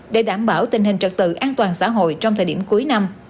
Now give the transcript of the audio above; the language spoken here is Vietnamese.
để đảm bảo tình hình trật tự an toàn xã hội trong thời điểm cuối năm